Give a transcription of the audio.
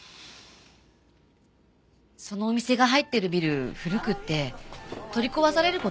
そのお店が入ってるビル古くて取り壊される事になったの。